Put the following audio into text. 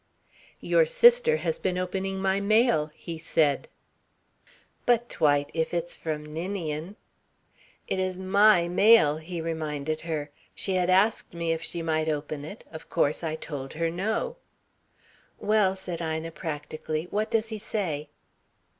"Your sister has been opening my mail," he said. "But, Dwight, if it's from Ninian " "It is my mail," he reminded her. "She had asked me if she might open it. Of course I told her no." "Well," said Ina practically, "what does he say?"